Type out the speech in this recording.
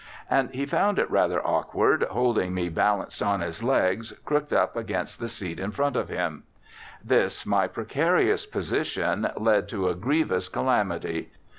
And he found it rather awkward holding me balanced on his legs crooked up against the seat in front of him. This, my precarious position, led to a grievous calamity.